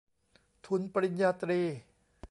ทุนปริญญาตรี